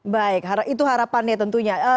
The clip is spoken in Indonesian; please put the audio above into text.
baik itu harapannya tentunya